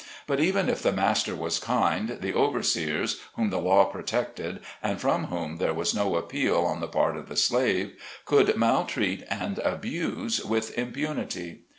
But even if the master was kind, the overseers, whom the law protected, and from whom there was no appeal on the part of the slave, could maltreat and abuse with impunity.